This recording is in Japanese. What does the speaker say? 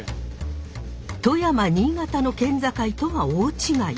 富山新潟の県境とは大違い。